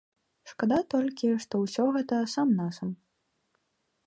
Шкада толькі, што ўсё гэта сам-насам.